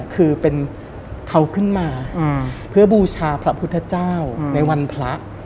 คือเป็นเขาขึ้นมาเพื่อบูชาพระพุทธเจ้าในวันพระ